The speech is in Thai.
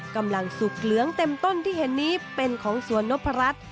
กำลังสุกเหลืองเต็มต้นที่เห็นนี้เป็นของสวนนพรัช